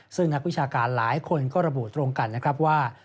ซึ่งนักวิชาการหลายคนก็ระบุตรงกันนะครับว่า